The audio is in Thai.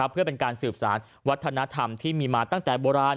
เพื่อเป็นการสืบสารวัฒนธรรมที่มีมาตั้งแต่โบราณ